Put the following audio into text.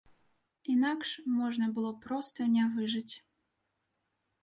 Інакш можна было проста не выжыць.